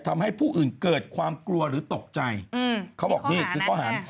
ทำให้ผู้อื่นเกิดความกลัวหรือตกใจเขาบอกนี่คือข้อหาร